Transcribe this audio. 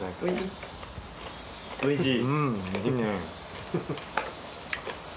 おいしい。